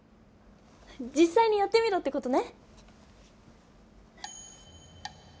じっさいにやってみろってことね！